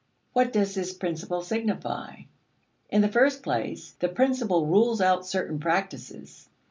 What does this principle signify? In the first place, the principle rules out certain practices.